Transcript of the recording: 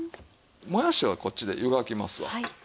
もやしはこっちで湯がきますわ。